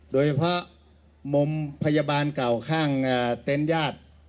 โดยเฉพาะมุมพยาบาลเก่าข้างเต็นต์ญาติ